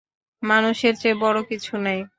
মানুষের চেয়ে বড় কিছু নাই।